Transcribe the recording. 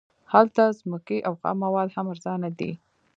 هلته ځمکې او خام مواد هم ارزانه دي